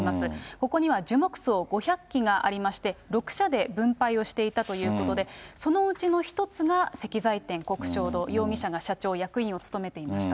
ここには樹木葬５００基がありまして、６社で分配をしていたということで、そのうちの一つが石材店、鵠祥堂、容疑者が社長、役員を務めていました。